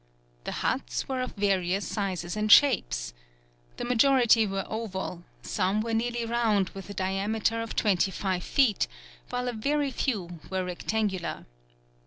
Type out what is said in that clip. The huts were of various sizes and shapes. The majority were oval, some were nearly round with a diameter of twenty five feet, while a very few were rectangular.